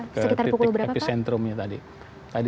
sekitar pukul berapa pak